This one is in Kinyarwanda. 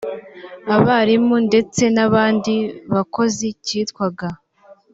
abarimu ndetse n’abandi bakozi cyitwaga